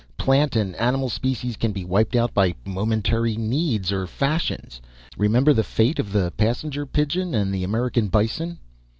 Plant and animal species can be wiped out by momentary needs or fashions. Remember the fate of the passenger pigeon and the American bison.